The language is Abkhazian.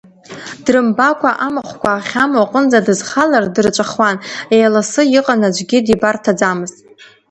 Дрымбакәа амахәқәа ахьамоу аҟынӡа дызхалар дырҵәахуан, еилассы иҟан, аӡәгьы дибарҭаӡамызт.